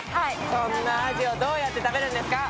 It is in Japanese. そんなアジをどうやって食べるんですか。